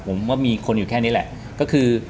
ผมว่ามีคนอยู่แค่นี้แหละก็คือ